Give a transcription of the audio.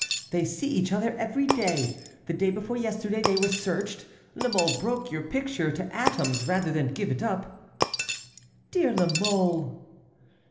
They see each other every day. The day before yesterday they were searched. La Mole broke your picture to atoms rather than give it up." "Dear La Mole!"